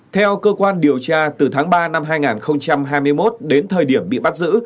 theo cơ quan điều tra từ tháng ba năm hai nghìn hai mươi một đến thời điểm bị bắt giữ